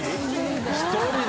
１人で！